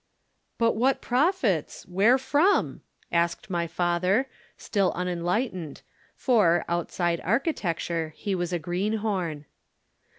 "'"But what profits? Where from?" asked my father, still unenlightened, for, outside architecture, he was a greenhorn.